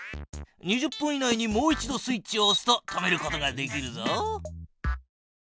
２０分以内にもう一度スイッチをおすと止めることができるぞ。